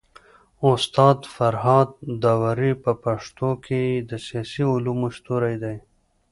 استاد فرهاد داوري په پښتو کي د سياسي علومو ستوری دی.